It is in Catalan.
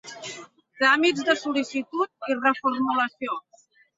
Tràmits de sol·licitud i reformulació.